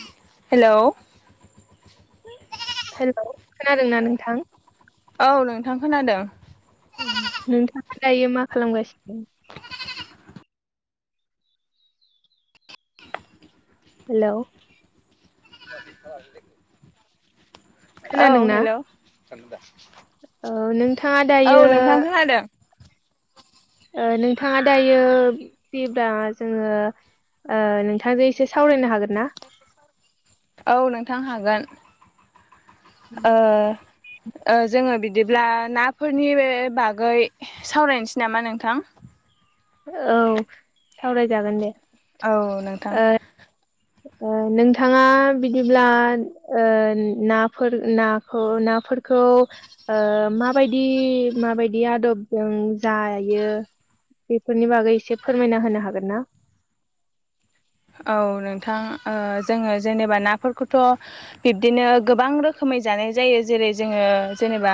औ। Hello. Hello खोनादों ना नोंथां। औ नोंथां खोनादों। नोंथाङा दायो मा खालामगासिनो। हेल'। [unintelligible] औ खोनादोंना हेल' औ नोंथाङा औ दायो नोंथां खोनादों। ओ नोंथाङा दायो फ्रिब्ला जोङो ओ नोंथांजों एसे सावरायनो हागोन ना? औ नोंथां हागोन ओ। ओ जोङो बिदिब्ला नाफोरनि बे बागै सावरायनोसै नामा नोंथां? औ सावरायजागोन दे। औ नोंथां। नोंथाङा बिदिब्ला ओ नाफोर नाखौ नाफोरखौ माबायदि माबायदि आदबजों जायो। बेफोरनि बागै एसे फोरमायना होनो हागोन ना। औ नोंथां ओ जोङो जेनेबा नाफोरखौथ' बिब्दिनो गोबां रोखोमै जानाय जायो जेरै जोङो जेनेबा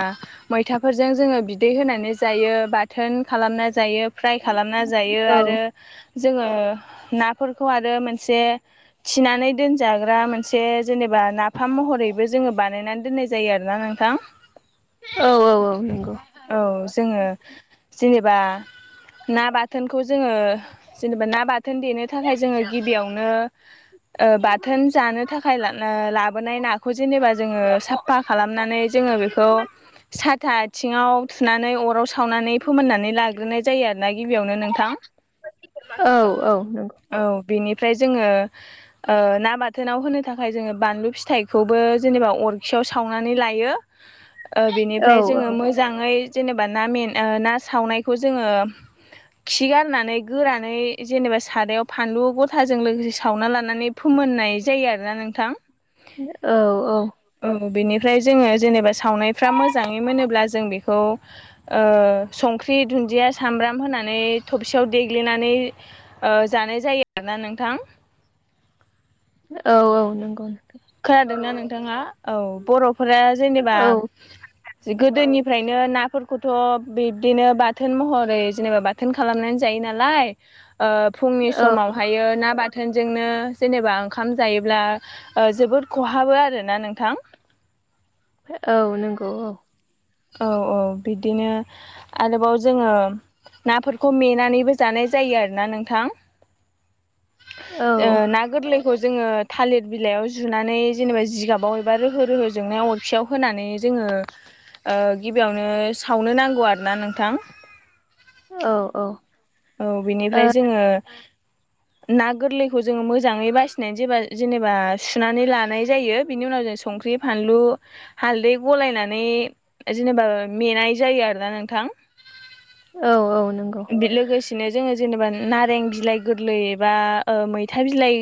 मैथाफोरजों जोङो बिदै होनानै जायो, बाथोन खालामना जायो, फ्राय खालामना जायो औ आरो जोङो नाफोरखौ आरो मोनसे थिनानै दोनजाग्रा मोनसे जेनेबा नाफाम महरैबो जोङो बानायनानै दोननाय जायो आरोना नोंथां। औ औ औ। नंगौ औ जोङो जेनेबा ना बाथोनखौ जोङो जेनेबा ना बाथोन देनो थाखाय जोङो गिबियावनो ओ बाथोन जानो थाखाय ओ लाबोनाय नाखौ जेनेबा जोङो साफ फा खालामनानै जोङो बेखौ साथा आथिङाव थुनानै अराव सावनानै फोमोननानै लाग्रोनाय जायो आरोना गिबियावनो नोंथां। औ औ नंगौ। औ बिनिफ्राय जोङो ओ ना बाथोनाव होनो थाखाय जोङो बानलु फिथाइखौबो जेनेबा अरखियाव सावनानै लायो औ बेनिफ्राय जोङो मोज मोजाङै जेनेबा ना मिन ओ ना सावनायखौ जोङो खिगारनानै गोरानै जेनेबा सादायाव फानलु गथाजों लोगोसे सावना लानानै फोमोननाय जायो आरोना नोंथां। औ औ। औ बेनिफ्राय जोङो जेनेबा सावनायफ्रा मोजाङै मोनोब्ला जों बेखौ ओ संख्रि, दुन्दिया, सामब्राम होनानै थबसेयाव देग्लिनानै ओ जानाय जायो आरोना नोंथां। औ औ नंगौ नोंथां। खोनादोंना नोंथाङा। औ बर'फोरा जेनेबा औ गोदोनिफ्रायनो नाफोरखौथ' बिबदिनो बाथोन महरै जेनेबा बा थोन खालामनानै जायो नालाय ओ फुंनि औ समावहायो ना बाथोनजोंनो जेनेबा ओंखाम जायोब्ला ओ जोबोद खहाबो आरोना नोंथां। औ नंगौ औ। औ औ बिदिनो आरोबाव जोङो नाफोरखौ मेनानैबो जानाय जायो आरोना नोंथां। औ ओ ना गोरलै खौ जोङो थालिर बिलाइयाव जुनानै जेनेबा जिगाबाव एबा रोहो रोहो जोंनायाव अरखियाव होनानै जोङो ओ गिबियावनो सावनो नांगौ आरो ना नोंथां। औ औ। औ बिनिफ्राय जोङो ना गोरलैखौ जोङो मोजाङै बासिनायनानै जेबा जेनेबा सुनानै लानाय जायो बिनि उनाव जों संख्रि फानलु हालदै गलायनानै जेनेबा मेनाय जायो आरोना नोंथां। औ औ नोंगौ। लोगोसेनो जोङो जेनेबा नारें बिलाइ गोरलै एबा ओ मैथा बिलाइ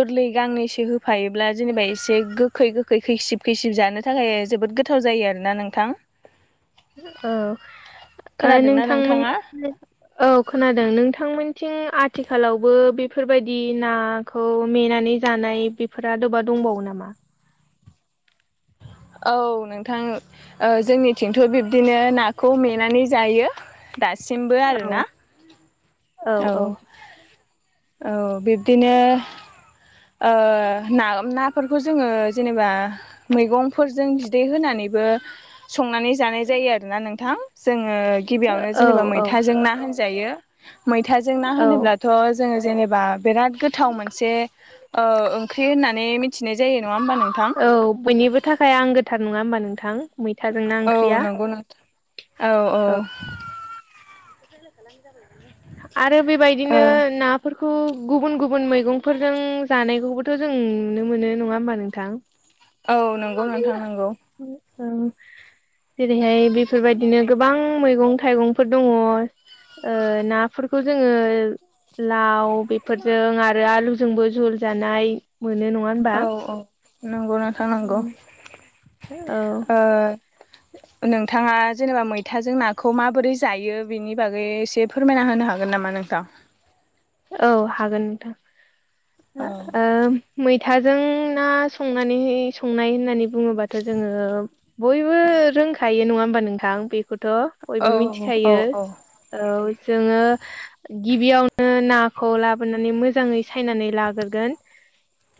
गोरलै गांनैसो होफायोब्ला जेनेबा एसे गोखै गोखै खैसिब खैसिब जानो थाखाय जोबोद गोथाव जायो आरोना नोंथां। औ ओ खोनादोंना नोंथांमोन नोंथाङा [unintelligible] औ खोनादों नोंथांमोनथिं आथिखालावबो बेफोरबायदि ना खौ मेनानै जानाय बेफोर आदबा दंबावो नामा? औ नोंथां ओ जोंनिथिंथ बिब्दिनो नाखौ मेनानै जायो। दासिमबो औ आरोना औ औ। औ बिब्दिनो। ओ ना नाफोरखौ जोङो जेनेबा मैगंफोरजों बिदै होनानैबो संनानै जानाय जायो आरोना नोंथां जोङो गिबियावनो औ जेनेबा औ मैथाजों ना होनजायो। मैथाजों ना औ होनोब्लाथ जोङो जेनेबा बिराद गोथाव मोनसे ओ ओंख्रि होननानै मिथिनाय जायो नङा होमबा नोंथां। औ बयनिबो थाखाय आंगो थार नङा होमबा नोंथां? मैथाजोंना औ ओंख्रिया नोंगौ नोंथां औ औ। खालामनाय जाबाय [unintelligible] आरो बेबायदिनो ना फोरखौ गुबुन गुबुन मैगंफोरजों जानायखौबोथ जों नुनो मोनो नङा होमबा नोंथां? औ नंगौ नोंथां नंगौ [unintelligible] जेरैहाय बेफोरबायदिनो गोबां मैगं थाइगंफोर दङ ओ ना। फोरखौ जोङो लाव बेफोरजों आरो आलुजोंबो जुल जानाय मोनो नङा होनबा औ औ नंगौ नोंथां नंगौ। औ ओ नोंथाङा जेनेबा मैथाजों नाखौ माबोरै जायो बेनि बागै एसे फोरमायना होनो हागोन नामा नोंथां? औ हागोन नोंथां औ ओ मैथाजों ना संनानै संनाय होननानै बुङोबाथ जोङो बयबो रोंखायो नङा होमबा नोंथां बेखौथ बयबो औ औ मिथिखायो। औ जोङो गिबियावनो नाखौ लाबोनानै मोजांयै सायनानै लागोरगोन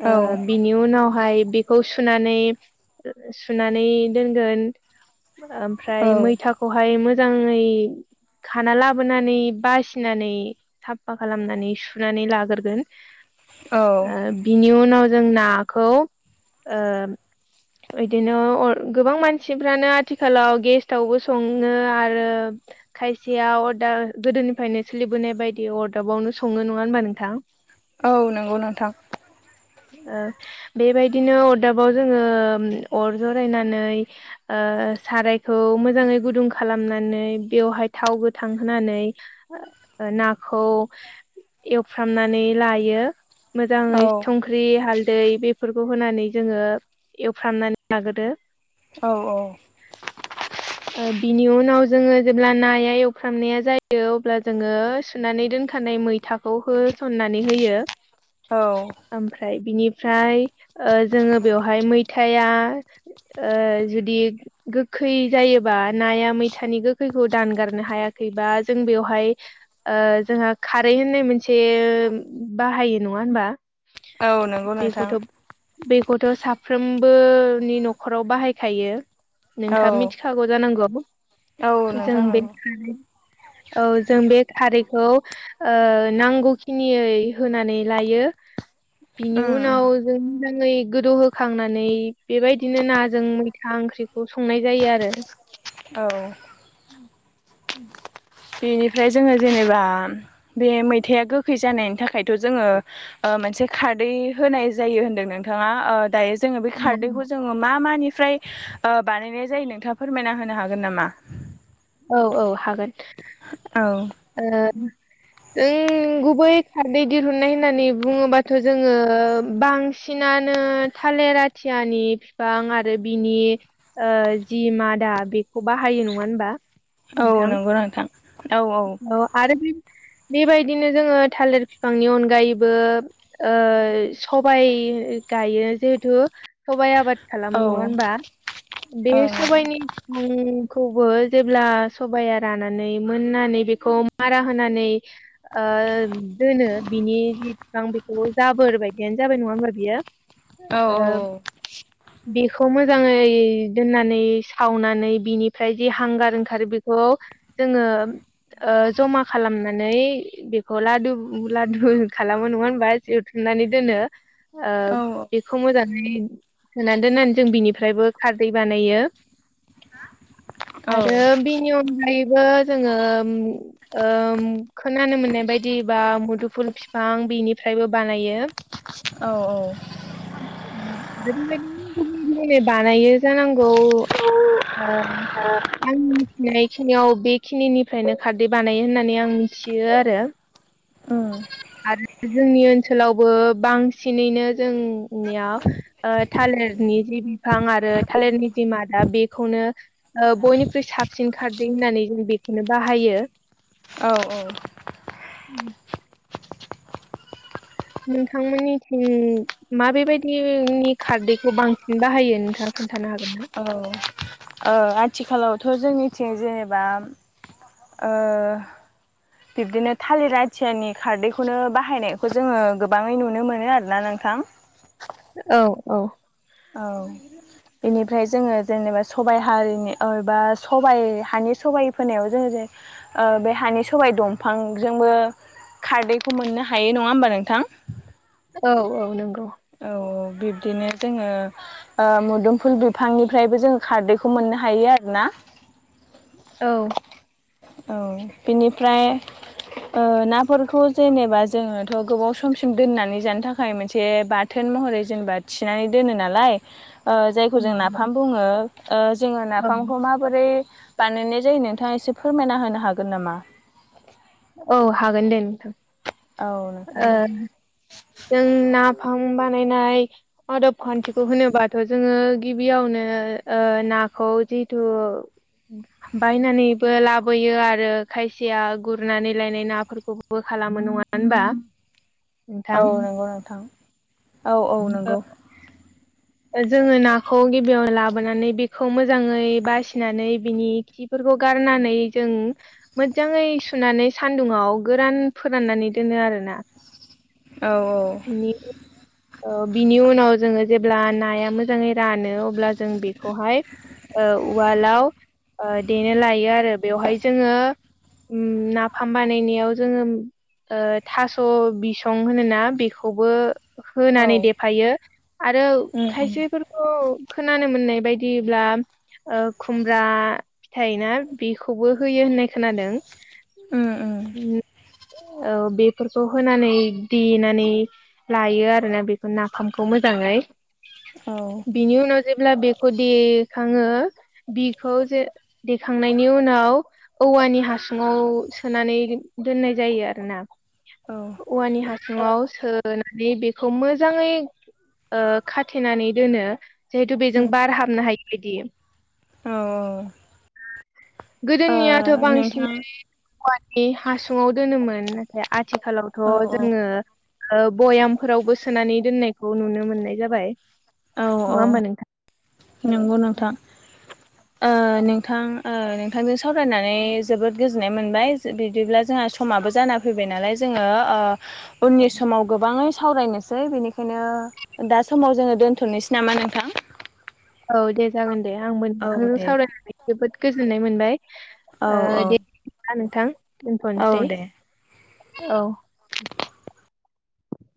ओ बि नि उनावहाय बेखौ सुनानै सुनानै दोनगोन। औ ओमफ्राय मैथाख खौहाय मोजाङै खाना लाबोनानै बासिनानै फा खालामनानै सुनानै लागोरगोन। औ बिनि उनाव जों नाखौ ओ बिदिनो अर गोबां मानसिफ्रानो आथिखालाव गेस्टआवबो सङो आरो खायसेया अरदा गोदोनिफ्रायनो सोलिबोनाय बायदि अरदाबावनो सङो नङा होनबा नोंथां? औ नोंगौ नोंथां‌ ओ बेबायदिनो अरदाबाव जोङो अर जरायनानै ओ सारायखौ मोजाङै गुदुं खालामनानै बेवहाय थाव गोथांहोनानै ओ नाखौ एवफ्रामनानै लायो औ मोजाङै संख्रि संख्रि हालदै बेफोरखौ होनानै जोङो एवफ्रामनानै लाग्रोयो। औ औ ओ बिनि उनाव जोङो जेब्ला नाया एवफ्रामनाया जायो अब्ला जोङो सुनानै दोनखा नाय मैथाखौ होसननानै होयो औ ओमफ्राय बिनिफ्राय ओ जोङो बेवहाय मैथाया ओ जुदि गोखै जायोबा नाया मैथानि गोखैखौ दानगारनो हायाखैबा जों बेवहाय ओ जोंहा खारै होननाय मोनसे बाहायो नङा होनबा औ नंगौ नोंथां बेखौथ' बेखौथ' साफ्रोमबोनि न'खराव बाहायखायो। औ नोंथाङा मिथिखागौ जानांगौ औ जों नोंथां बे नंगौ औ जों बे खारैखौ ओ नांगौखिनियै होनानै लायो बिनि उम उम उनाव जों मोजाङै गोदौ होखांनानै बेबायदिनो नाजों मैथा ओंख्रिखौ संनाय जायो आरो। औ बेनिफ्राय जोङो जेनेबा बे मैथाया गोखै जानायनि थाखायथ' जोङो ओ मोनसे खारदै होनाय जायो होनदों नोंथाङा दायो जोङो बे खारदैखौ जों जों मा मानिफ्राय ओ बानायनाय जायो नोंथाङा फोरमायना होनो हागोन नामा? औ औ हागोन। औ ओ ओम गुबै खारदै दिहुननाय होननानै बुङोबाथ' जोङो बांसिन बांसिनानो थालिर आथियानि बिफां आरो बिनि ओ जि मादा बेखौ बाहायो नङा होनबा। औ नोंथां नंगौ नोंथां औ औ औ आरो बेबायदिनो जोङो थालिर बिफांनि अनगायैबो ओ सबाइ गायो जिहेथु सबाइ आबाद खालामो औ नङा ओं होनबा बे सबाइनि ओम खौबो जेब्ला सबाया रानानै नानै बेखौ मारा होनानै ओ दोनो बिनि जि बिफां बेखौ जाबोर बायदियानो जाबाय नङा होमबा बियो। औ ओ बेखौ मोजाङै दोननानै सावनानै बिनिफ्राय जि हांगार ओंखारो बेखौ जोङो ओ जमा खालामनानै बेखौ लादु लादु खालामो नङा होनबा जवथुमनानै दोनो। ओ बेखौ मोजाङै सानै दोननानै जों बिनिफ्रायबो खारदै बानायो। औ आरो बेनि अनगायैबो जोङो ओ खोनानो मोननाय बायदि बा मुदुफुल फिफां बेनिफ्रायबो बानायो। औ औ उ औ आरो बेबायदिनो गुबुन गुबुनयै बानायो जानांगौ। ओ ओ आंनि मिथिनाय खिनियाव बे खिनिनिफ्रायनो खारदै बानायो होननानै आं मिथियो आरो। उम आरो जोंनि ओनसोलावबो बांसिनैनो जोंनिया ओ थालिरनि जि बिफां आरो थालिरनि जि मादा बेखौनो ओ बयनिख्रुइ साबसिन खारदै होननानै जों बेखौनो बाहायो औ औ उम नोंथांमोननिथिं मा बेेबायदिनि खारदैखौ बांसिन बाहायो नोंथाङा खोन्थानो हागोन ना? औ आथिखालावथ' जोंनिथिं जेनेबा ओ बिब्दिनो थालिर आथियानि खारदैखौनो बाहायनायखौ जोङो गोबाङै नुनो मोनो आरोना नोंथां औ औ औ बेनिफ्राय जोङो जेनेबा सबाइ हारिनि ओ बा सबाइ हानि सबाइ फोनायाव जोङो ओ बे हानि सबाइ दंफांजोंबो खारदैखौ मोननो हायो नङा होमबा नोंथां? औ औ नंगौ औ औ बिब्दिनो जोङो ओ मोदोमफुल बिफांनिफ्रायबो जोङो खारदैखौ मोननो हायो आरो ना औ औ बेनिफ्राय नाफोरखौ जेनेबा जोङोथ' गोबाव समसिम दोननानै जानो थाखाय मोनसे बा थोन महरै जेनेबा थिनानै दोनो नालाय जायखौ जों नाफाम बुङो जोङो नाफामखौ मा बोरै बानायनाय जायो नोंथाङा एसे फोरमायना होनो हागोन नामा? औ हागोन दे नोंथां औ नोंथां ओ दे जों नाफाम बानायनाय आदब खान्थिखौ होनोबाथ' जोङो गिबियावनो नाखौ जिथु बायनानैबो लाबोयो आरो खायसेया गु गुरनानै लायनाय नाफोरखौबो खालामो नङा होनबा? नोंथां औ नंगौ नोंथां औ औ नंगौ जोङो नाखौ गिबियाव लाबोनानै बेखौ मोजाङै बासिनानै बिनि खि फोरखौ गारनानै जों मोजाङै सुनानै सान्दुंङाव गोरान फोराननानै दोनो आरोना औ औ बिनि बिनि उनाव जोङो जेब्ला नाया मोजाङै रानो अब्ला जों बेखौहाय उवालाव देनो लायो आरो बेवहाय जोङो उम नाफाम बानायनायाव जोङो ओ थास' बिसं होनोना बेखौबो औ होनानै देफायो आरो उम खायसेफोर थ'‌ खोनानो मोननाय बायदिब्ला खुमब्रा फिथाइ ना बिखौबो होयो होननाय खोनादों उम औ बेफोरखौ होनानै देनानै लायो आ रोना बेखौ नाफामखौ मोजाङै औ बिनि उनाव जेब्ला बेखौ देखाङो बिखौ जे देखांनायनि उनाव औवानि हासुङाव सोनानै दोननाय जायो आरो ना ओ औवानि हासुुंआव सोनानै बे खौ मोजाङै खाथेनानै ओ दोनो जिहेथु बेजों उम बार हाबनो हायै बिदि औ [inaudible] ओ गोदोनियाथ' नोंथां बांसिनै औवानि हासुङाव दोनोमोन नाथाय आथिखालावथ' औ जोङो बयाम फोरावबो सोनानै दोननायखौ नुनो मोननाय जाबाय औ नङा औ होमबा नोंथां नंगौ नोंथां ओ नोंथां। नोंथांजों सावरायनानै जोबोद गोजोननाय मोनबाय बिदिब्ला जोंहा समाबो जाना फैबाय नालाय जोङो ओ उननि समाव गोबाङै सावरायनोसै बिनिखायनो दा समाव जोङो दोनथ'नोसै नामा नोंथां। औ दे जागोन दे आंबो औ नोंथांजों दे। सावरायनानै जोबोद गोजोननाय मोनबाय। औ ओ औ दे बिदिब्ला नोंथां औ दोनथ'सै दे। औ।